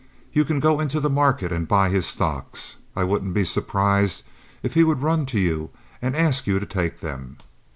You can go into the market and buy his stocks. I wouldn't be surprised if he would run to you and ask you to take them.